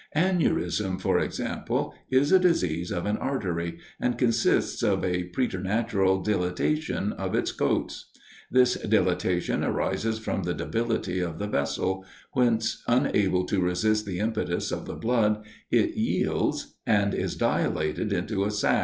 Aneurism, for example, is a disease of an artery, and consists of a preternatural dilatation of its coats. This dilatation arises from the debility of the vessel, whence, unable to resist the impetus of the blood, it yields, and is dilated into a sac.